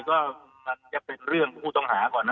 ก็ถูกต้องหาก่อน